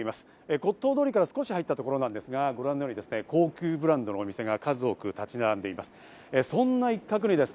骨董通りから少し入ったところなんですが、ご覧のように高級ブランドの店が数多く立ち並んでいます。